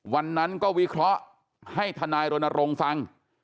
วันนั้นก็วิเคราะห์ให้ทนายรณรงค์ฟัง